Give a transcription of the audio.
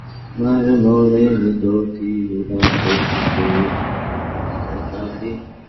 আজ শরীর এমনি হালকা বোধ হইতেছে!